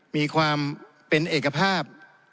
มีความเป็นเอกภาพ